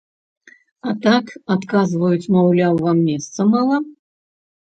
А так адказваюць, маўляў, вам месца мала?